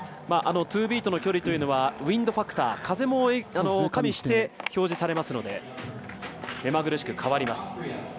ツービートの距離というのはウインドファクター風も加味して表示されますので目まぐるしく変わります。